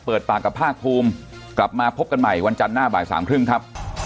เปิดปากกับภาคภูมิกลับมาพบกันใหม่วันจันทร์หน้าบ่ายสามครึ่งครับ